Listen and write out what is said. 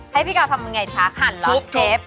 ให้พี่กาวทำยังไงคะหั่นรอบเชฟ